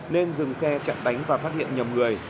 nên dừng xe chặn đánh và phát hiện nhầm người